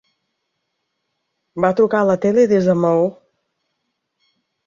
Va trucar a la tele des de Maó.